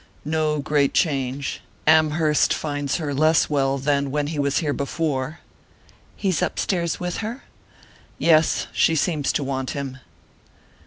"No great change Amherst finds her less well than when he was here before." "He's upstairs with her?" "Yes she seems to want him."